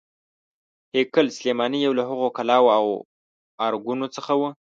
هیکل سلیماني یو له هغو کلاوو او ارګونو څخه و.